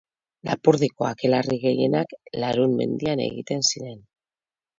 Lapurdiko akelarre gehienak Larhun mendian egiten ziren.